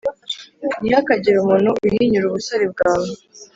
ntihakagire umuntu uhinyura ubusore bwawe